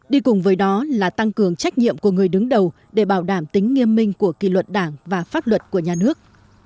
đi cùng với đó là tăng cường trách nhiệm của người đứng đầu để bảo đảm tính nghiêm minh của kỳ luật đảng và pháp luật của nhà nước